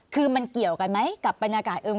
คือมันเกี่ยวกันไหมกับบรรยากาศเอิม